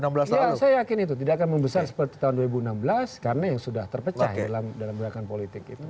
ya saya yakin itu tidak akan membesar seperti tahun dua ribu enam belas karena yang sudah terpecah dalam gerakan politik itu